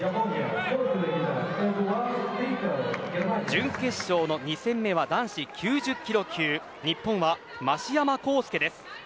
準決勝の２戦目は男子９０キロ級日本は増山香補です。